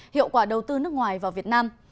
hiệu quả đầu tư nước ngoài vào việt nam